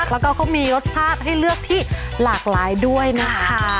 แล้วก็เขามีรสชาติให้เลือกที่หลากหลายด้วยนะคะ